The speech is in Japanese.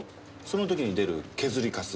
その時に出る削りかす。